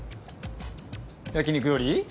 焼き肉より？